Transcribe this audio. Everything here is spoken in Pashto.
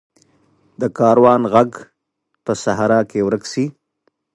د کاروان ږغ په صحرا کې ورک شي.